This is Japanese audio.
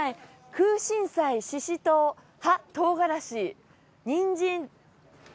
くうしんさいししとう葉とうがらしにんじん。